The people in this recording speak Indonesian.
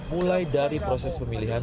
mulai dari proses pemilihan